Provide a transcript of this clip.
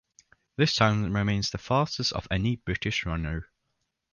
This time remains the fastest of any British runner.